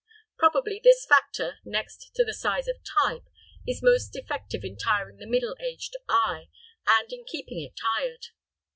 Probably this factor, next to the size of type, is most effective in tiring the middle aged eye, and in keeping it tired.